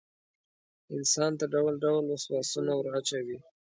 انسان ته ډول ډول وسواسونه وراچوي.